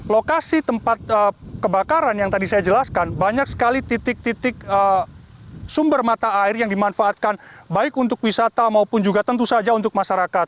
lokasi tempat kebakaran yang tadi saya jelaskan banyak sekali titik titik sumber mata air yang dimanfaatkan baik untuk wisata maupun juga tentu saja untuk masyarakat